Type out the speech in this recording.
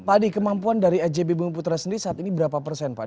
pak adi kemampuan dari ajb bumi putra sendiri saat ini berapa persen pak